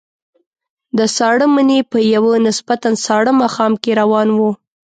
د ساړه مني په یوه نسبتاً ساړه ماښام کې روان وو.